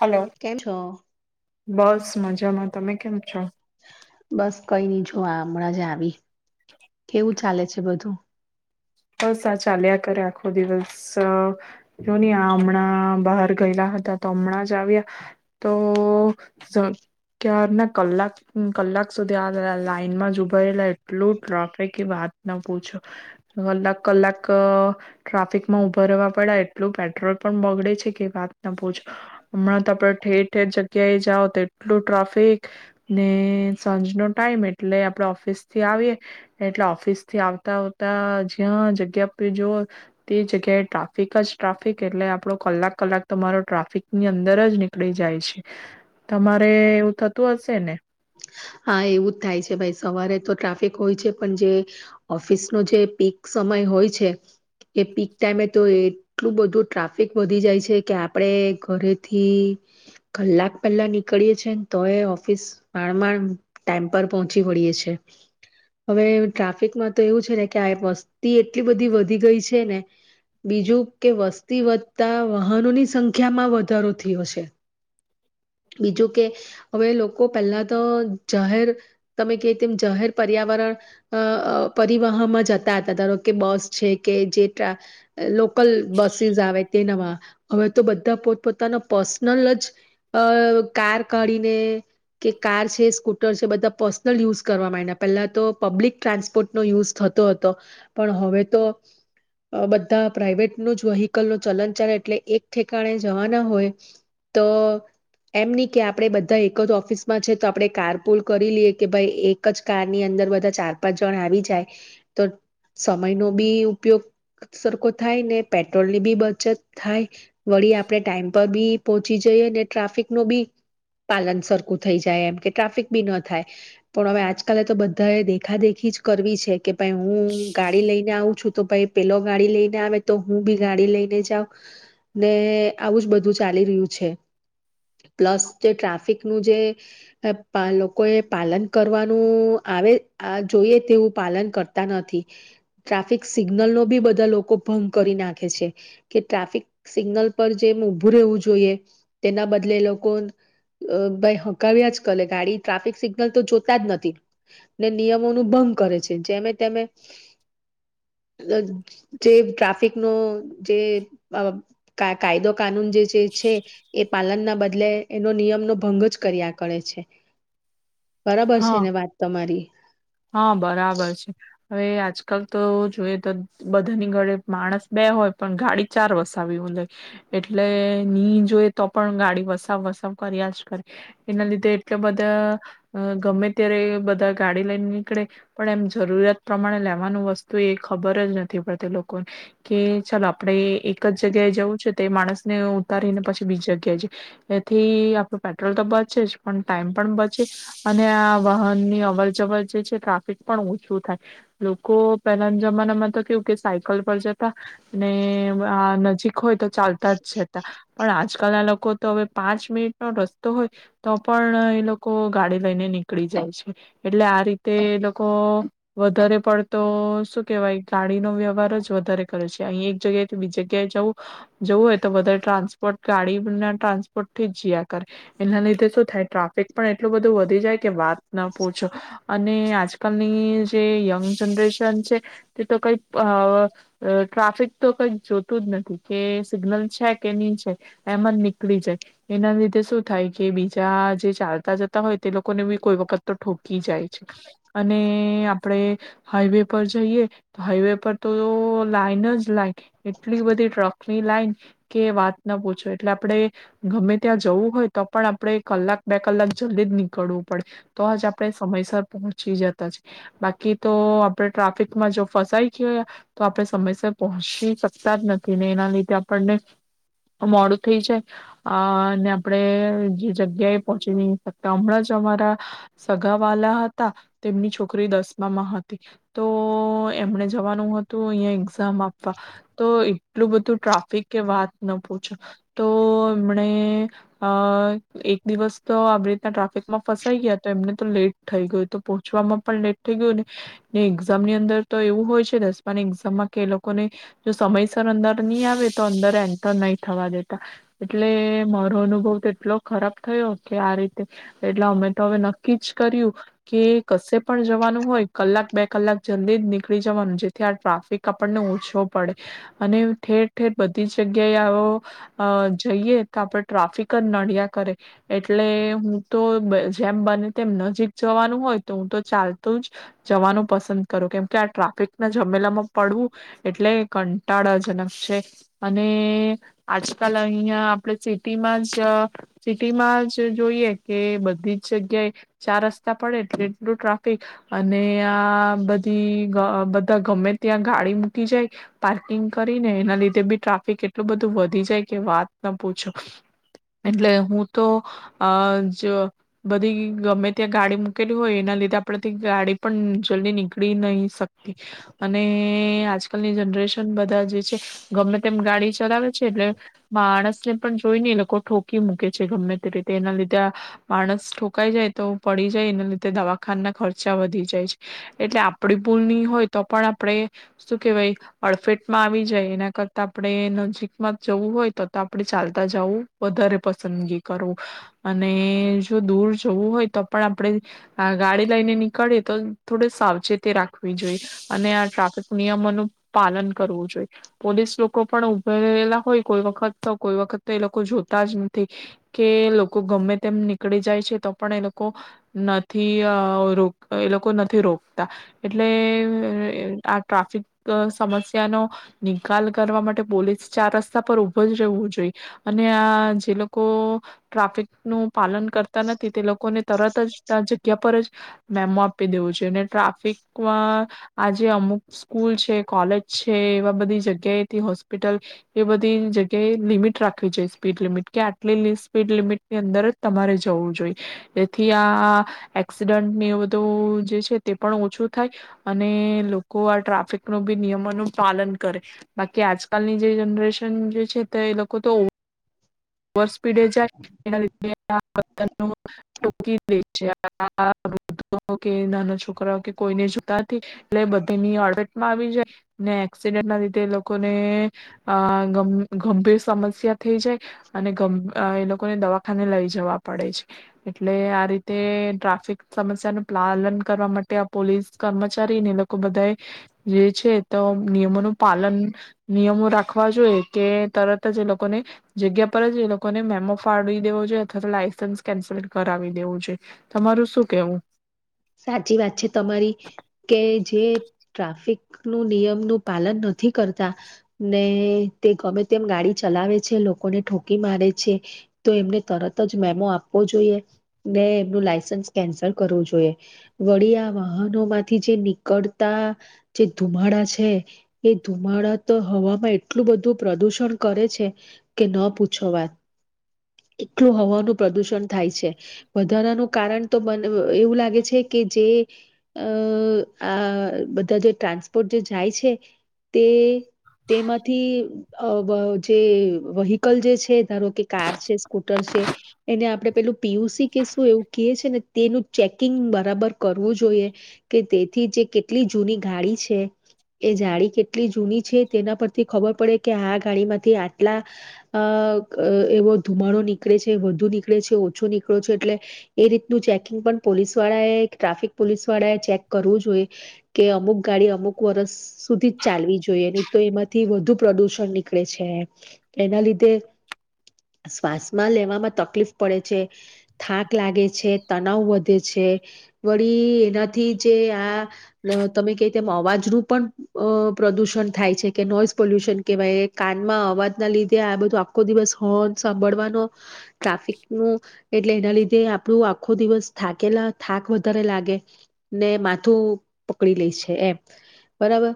Hello કેમ છો. બસ મજામાં તમે કેમ છ બસ કઈ નઈ જો હમણાં જ આવી કેવું ચાલે છે બધુ. બસ આ ચાલ્યા કરે આખો દિવસ જો નહી આ હમણાં બહાર ગયેલા હતા તો હમણાં જ આવ્યા તો ક્યાર ના કલાક કલાક સુધી આ લાઈન માં જ ઉભયેલા એટલું ટ્રાફિક વાત ન પૂછો. કલાક કલાક ટ્રાફિક માં ઉભા રવા પડ્યા એટલું પેટ્રોલ પણ બગડે છે કે વાત ના પહછો હમણાં તો આપડ ઠેર ઠેર જગ્યાએ જાઓ તો એટલું ટ્રાફિક ને સાંજનોો ટાઈમ એટલે આપડ ઓફિસ થી આવીએ એટલે ઓફિસ થી આવતા આવતા. જ્યાં જગ્યા પ જુઓ તે જગ્યાએ ટ્રાફિક જ ટ્રાફિક એટલે આપડો કલાક કલાક તમારો ટ્રાફિકની અંદર જ નીકળી જાય છે તમારે એવું થતું હશે ને. હા એવું જ થાય છે ભાઈ સવારે તો ટ્રાફિક હોય છે પણ જે ઓફિસ ન જે પીક સમય હોય છે એ પીક ટાઈમે તો એટલું બધું ટ્રાફિક વધી જાય છે કે આપડે ઘરેથી કલાક પહેલા નીકળીએ છે ને તો એ ઓફિસ માણ માણ. ટાઈમ પર પહોંચી વળીએ છે હવે ટ્રાફિકમાં તો એવું છે ને કે આ વસ્તી એટલી બધી વધી ગઈ છે ને બીજું કે વસ્તી વધતા વાહનોની સંખ્યામાં વધારો થયો છે બીજું કે હવે લોકો પહેલા તો. જાહેર તમે ક તેમ જાહેર પર્યાવરણ પરિવહનમાં જતા હતા ધારો કે બસ છે કે જે લોકલ બસીસ આવે તેનામાં હવે તો બધા પોતપોતાનો પર્સનલ જ કાર કાઢીને કે કાર છે સ્કૂ. [unintelligible] બધા પર્સનલ યુઝ કરવાવા માયંડા, પહેલા તો પબ્લિક ટ્રાન્સપોર્ટ નો યુઝ થતો હતો, પણ હવે તો અહ બધા પ્રાઈવેટ નું જ વ્હીકલ નું ચલન ચલે એટલે એક ઠેકાણે જવાના હોય તો એમ નહી કે આપણે બધા એક જ ઓફિસમાં છે તો આપણે કાર પૂલ કરી લઈએ કે ભાઈ એક જ કાર ની અંદર બધા ચાર પાંચ જણ આવી જાય, તો સમય નો બી ઉપયોગ સરખો થાય ને પેટ્રોલ ની બી બચત થાય. વળી આપણે ટાઈમ પર બી પહોંચી જઈ અને ટ્રાફિક નું બી પાલન સરખું થઈ જાય એમ, કે ટ્રાફિક બી ન થાય, પણ હવે આજકાલે તો બધાએ દેખા દેખી જ કરવી છે, કે ભાઈ હું ગાડી લઈને આવું છું તો ભાઈ પેલો ગાડી લઈને આવે તો હું બી ગાડી લઈને જાઉં, ને આવું જ બધું ચાલી રહ્યું છે. પ્લસ જે ટ્રાફિકનું જે અહ પાલ લોકો એ પાલન કરવાનું આવે આ જોઈએ તેવું પાલન કરતા નથી. ટ્રાફિક સિગ્નલ નો બી બધા લોકો ભંગ કરી નાખે છે. કે ટ્રાફિક સિગ્નલ પર જેમ ઉભું રહેવું જોઈએ તેના બદલે એ લોકો અહ ભાઈ હકાવ્યા જ કલે ગાડી ટ્રાફિક સિગ્નલ તો જોતા જ નથી, ને નિયમો નું ભંગ કરે છે, જેમે તેમે અહ જે ટ્રાફિકનો જે અહ કા કાયદો કાનૂન જે છે એ પાલન ના બદલે એનો નિયમનો ભંગ જ કર્યા કરે છે. બરબર છે હા ને વાત તમારી? હા બરાબર છે. હવે આજકાલ તો જોઈએ તો બધાની ઘડે માણસ બે હોય પણ ગાડી ચાર વસાવી હોય લે, એટલે ની જોયે તો પણ ગાડી વસાવ વસાવ કર્યા જ કરે, એના લીધે એટલે બધા ગમે ત્યારે બધા ગાડી લઈને ની કળે પણ એમ જરૂરિયાત પ્રમાણે લેવાનું વસ્તુ એ ખબર જ નથી પડતી લોકોને, કે ચાલ આપણેે એક જ જગ્યાએ જવું છે તે માણસને ઉતારીને પછી બીજી જગ્યાએ જઈ, એથી આપણું પેટ્રોલ તો બચે જ પણ ટાઈમ પણ બચે અને આ વાહનની અવર જવર જે છે તે ટ્રાફિક પણ ઓછું થાય. લોકો પહેલાના જમાનામાં તો કેવું કે સાયકલ પર જતા, ને આ નજીક- હોય તો ચાલતા જ છે તા, પણ આજકાલના લોકો તો હવે પાંચ મિનિટ નો રસ્તો હોય તો પણ એ લોકો ગાડી લઈને નીકળી જાય છે. એટલે આ રીત તે લોકો વધારે પડતો શું કેહેવાય ગાડીનો વ્યવહાર જ વધારે કરે છે. અહી એક જગ્યાએથી બીજી જગ્યાએ જવું જવું હોય તો વધારે ટ્રાન્સપોર્ટ ગાડી ના ટ્રાન્સપોર્ટ થી જયા કરે, એના લીધે શું થાય ટ્રાફિક પણ એટલું બધું વધી જાય કે વાત ના પૂછો. અને આજકાલની જે યંગ જનરેશન છે, તે તો કંઈક અહ ટ્રાફિક તો કંઈક જોતું જ નથી. કે સિગ્નલ છે કે ની છે, એમ જ નીકળી જાય એના લીધે શું થાય કે બીજા જે ચાલતા જતા હોય તે લોકોને બી કોઈ વખત તો ઠોકી જાય. અને આપડે હાઈવે પર જઈએ, હાઈવે પર તો લાઈન જ લાઈન લાગી, એટલી બધી ટ્રકની લાઈન કે વાત ન પૂછો, એટલે આપણે ઘમે ત્યાં જવું હોય તો પણ આપણે કલાક બે કલાક જલ્દી જ નીકળવું પડે, તોજ આપડણે સમયસર પહોંચી જતા છે. બાકી તો આપણે ટ્રાફિકમાં જો ફસાઈ ગયો તો આપડે સમયસર પહોંચી શકતા જ નથી, ને એના લીધે આપણને મોડું થઈ જાય, અહ ને આપણે જે જગ્યાએ પહોંચી ની શકતા. હમણાં જ અમારા સગા વહાલા હતા તેમની છોકરી દસમામાં હતી. તો એમને જવાનું હતું અહીયાં એક્ઝામ આપવા, તો એટલું બધું ટ્રાફિક કે વાત ન પૂછો. તો એમણે અહ એક દિવસ તો આવી રીતના ટ્રાફિકમાં ફસાઈ ગયા તો એમને તો લેટ થઈ ગયું તો પહોંચવામાં પણ લેટ થઈ ગયુ ને એક્ઝામ ની અંદર તો એવું હોય છે દસમાની એક્ઝામમાં કે એ લોકોને જો સમયસર અંદર નહી આવે તો અંદર એન્ટર નહી થવા દેતા, એટલે મારો અનુભવ તો એટલો ખરાબ થયો કે આ રીતે એટલે અમે તો હવે નક્કી જ કર્યું કે કસે પણ જવાનું હોય કલાક બે કલાક જલ્દી જ નીકળી જવાનું, જેથી આ ટ્રાફિક આપણને ઓછો પડે, અને ઠેર-ઠેર બધી જગ્યા અહ જઈએ તો આપડ ટ્રાફિક જ નડિયા કરે, એટલે હું તો મ જેમ બને તેમ નજીક જ જવાનું હોય તો હું તો ચાલતું જ જવાનું પસંદ કરું, કેમ કે આ ટ્રાફિક ના જમેલામાં પડવું એટલે એ કંટાળાજનક છે. અને આજકાલ અહિયાં આપણે સિટીમાં જ સિટીમાં જ જોઈએ કે બધી જ જગ્યાએ ચાર રસ સ્તા પડે એટલે એટલું ટ્રાફિક અને આ બધી ગ બધા ગમે ત્યાં ગાડી મૂકી જાય પાર્કિંગ કરીને, એના લીધે બી ટ્રાફિક એટલું બધું વધી જાય કે વાત ન પૂછો, એટલે હું તો અહ જ બધી ગમે ત્યાં ગાડી મૂકેલી હોય એના લીધે આપણેેથી ગાડી પણ જલ્દી નીકળી નહી શકતી, અને આજકાલની જનરેશન બધા જે છે ગમે તેમ ગાડી ચલાવે છે એટલે માણસ ને પણ જોઈ ની એલોકો ઠોકી મૂકે છે ગમે તે રીતે, એના લીધે આ માણસ ઠોકાઈ જાય તો પડી જાય એના લીધે દવાખાનાના ખર્ચા વધી જાય છે. એટલે આપણી ભૂલ ની હોય તો પણ આપણે શું કહેવાય અડફેટમાં આવી જાય, એના કરતાં આપણે નજીકમાં જ જવું હોય તો તો આપણે ચાલતા જાવું વધારે પસંદગી કરવું. અને જો દૂર જવું હોય તો પણ આપણે આ ગાડી લઈને નીકળીએ તો થોડી સાવચેતી રાખવી જોઈ, અને આ ટ્રાફિક નિયમોનું પાલન કરવું જોઈ, પોલીસ લોકો પણ ઉભેલા હોય કોઈ વખત તો કોઈ વખત તો એ લોકો જોતા જ નથી કે લોકો ગમે તેમ નીકળી જાય છે તો પણ એ લોક કો નથી અહ રો એ લોકો નથી રોકતા, એટલે અહ આ ટ્રાફિક સમસ્યાનો નિકાલ કરવા માટે પોલીસ ચાર રસ્તા પર ઉભા જ રહેવું જોઈએ, અને આ જે લોકો ટ્રાફિક નું પાલન કરતા નથી તે લોકોને તરત જ તા જગ્યા પર જ મેમો આપી દેવું જોઈ, અને ટ્રાફિકમાં આજે અમુક સ્કૂલ છે, કોલેજ છે એવા બધી જગ્યાએથી હોસ્પિટલ એ બધી જગ્યાએ લિમિટ રાખવી જોઈ સ્પીડ લિમિટ, કે આટલી લી સ્પીડ લિમિટની અંદર જ તમારે જવું જોઈ. જેથી આ એક્સિડન્ટની એ બધું જે છે તે પણ ઓછું થાય અને લોકો આ ટ્રાફિક નું બી નિયમોનું પાલન કરે. બાકી આજકાલની જે જનરેશન જે છે તે એ લોકો તો ઓવર સ્પીડે જાય એના લીધે આ [unintelligible] ઠોકી જ દે છે. [unintelligible] કે નાના છોકરાઓ કે કોઈને જોતા નથી એટલે બધાયની અડટ માં આવી જાય ને એક્સિડેન્ટ ના લીધે એ લોકોને અહ ગં ગંભીર સમસ્યા થઈ જાય. અને ગં અહ એ લોકોને દવાખાને લઈ જવા પડે છે. એટલે આ રીતે ટ્રાફિક સમસ્યા નું પાલન કરવા માટે આ પોલીસ કર્મચારીને એ લોકો બધા જે છે તો નિયમોનું પાલન નિયમો રાખવા જોઈએ, કે તરત જ એ લોકોને જગ્યા ઉપર જ એ લોકોને મેમો ફાડવી દેવો જોઈ અથવા તો લાયસન્સ કેન્સલ કરાવી દેવું જોઈ. તમારું શું કેવું? સાચી વાત છે તમારી, કે જે ટ્રાફિક નું નિયમનું પાલન નથી કરતા ને તે ગમે તેમ ગાડી ચલાવે છે, લોકોને ઠોકી મારે છે, તો એમને તરત જ મેમો આપવો જોઈએ, ને એમનું લાયસન્સ કેન્સલ કરવું જોઈએ. વળી આ વાહનો માંથી જે નીકળતા જે ધુમાડા છે એ ધુમાડા તો હવામાં એટલું બધું પ્રદુષણ કરે છે કે ન પૂછો વાત. એટલું હવાનું પ્રદૂષણ થાય છે. વધારાનું કારણ તો મન અહ એવું લાગે છે કે કે જે અહ આ બધા જે ટ્રાન્સપોર્ટ જે જાય છે તે તેમાંથી અહ વ જે વહીકલ જે છે ધારો કે કાર છે, સ્કૂટર છે એને આપણે પેલું પીયુસી કે શું એવું ક્યે છે ને તેનું ચેકિંગ બન બરાબર કરવું જોઈએ કે તેથી જે કેટલી જૂની ગાડી છે, એ જાડી કેટલી જૂની છે તેના પરથી ખબર પડે કે આ ગાડી માંથી આટલા અહ ગ એવો ધુમાડો નીકળે છે, વધુ નીકળે છે, ઓછો નીકળો છે, એટલે એ રીતનું ચેકિંગ પણ પોલીસ વાળા ટ્રાફિક પોલીસ વાળાએ ચેક કરવું જોઈએ કે અમુક ગાડી અમુક વરસ સુધી જ ચાલવી જોઈએ નહી તો એમાંથી વધુ પ્રદુષણ નીકળે છે. એના લીધે. શ્વાસમાં લેવામાં તકલીફ પડે છે થાક લાગે છે તનાવ વધે છે. વળી એનાથી જે આ તમે ક તેમ અવાજ નું પણ પ્રદુષણ થાય છે કે નોઈસ પોલ્યુશન કેવાય કાનમાં અવાજ ના લીધે આ બધું આખો દિવસ હોર્ન સાંભળવાનો ટ્રાફિક નું એટલે એના લીધે આપણું આખો દિવસ થાકેલા. થાક વધારે લાગે ને માથું પકડી લે છે એમ બરાબર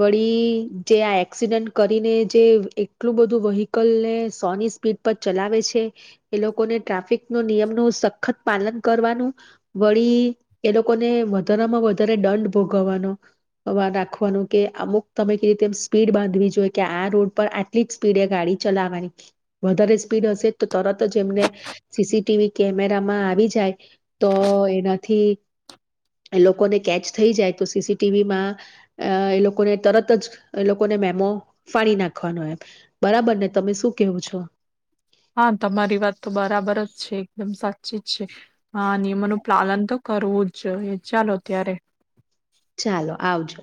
વળી જે આ એક્સિડન્ટ કરીને જે એટલું બધું વ્હીકલને સોની સ્પીડ પર ચલાવે છે. એ લોકોને ટ્રાફિક નો નિયમ ન સખત. પાલન કરવાનું. વળી એ લોકોને વધારમાં વધારે દંડ ભોગવવાનો રાખવાનો કે અમુક તમે ક રીતે એમ સ્પીડ બાંધવી જોઈએ કે આ રોડ પર આટલી જ સ્પીડ એ ગાડી ચલાવવાની વધારે સ્પીડ હશે તો તરત જ એમને સીસીટીવી કેમેરામાં આવી જાય. તો. થી લોકોને કેચ થઈ જાય તો સીસીટીવી માં એ લોકોને તરત જ એ લોકોને મેમો ફાણી નાખવાનો એમ. બરાબર ને તમે શું. કેવું છો. હા તમારી વાત તો બરાબર જ છે એકદમ સાચી જ છે આ નિયમોનું પાલન તો કરવું જ જોઈએ ચાલો ત્યારે. ચાલો આવજો.